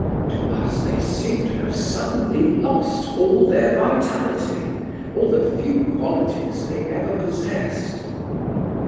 To us they seem to have suddenly lost all their vitality, all the few qualities they ever possessed.